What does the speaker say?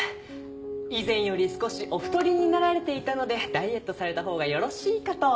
以前より少しお太りになられていたのでダイエットされたほうがよろしいかと。